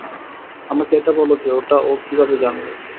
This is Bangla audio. আমাকে এটা বলো যে, ওটা ও কীভাবে জানলো?